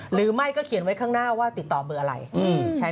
หรือไม่ก็เขียนไว้ข้างหน้าว่าติดต่อเบอร์อะไร